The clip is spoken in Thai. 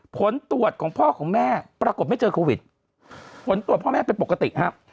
ปรากฏไม่เจอโควิดผลตรวจพ่อแม่เป็นปกติครับ